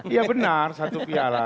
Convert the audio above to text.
iya benar satu piala